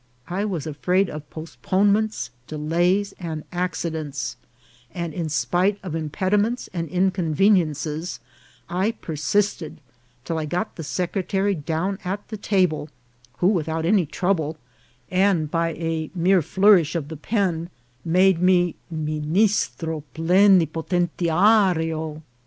I was afraid of postponements, delays, and accidents, and in spite of impediments and inconveniences, I per sisted till I got the secretary down at the table, who, without any trouble, and by a mere flourish of the pen, made me " ministro plenipotentiario."